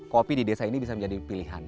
kopi di desa ini bisa menjadi pilihan